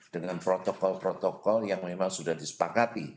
dengan protokol protokol yang memang sudah disepakati